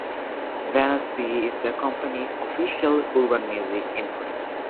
Venus-B is the company's official urban music imprint.